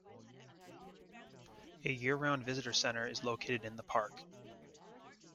A year-round visitor center is located in the park.